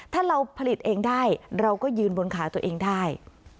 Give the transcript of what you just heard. ถ้าเราผลิตเองได้เราก็ยืนบนขาตัวเองได้